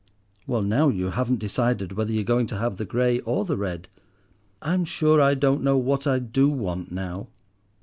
"Well, now you haven't decided whether you're going to have the grey or the red." "I'm sure I don't know what I do want now.